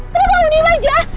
kenapa lu dibaca